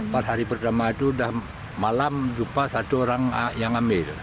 pada hari pertama itu malam jumpa satu orang yang ambil